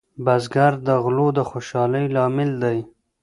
بزګر د غلو د خوشحالۍ لامل دی